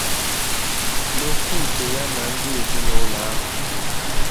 N'okwu nke ya n'aha ndị ezinụlọ ahụ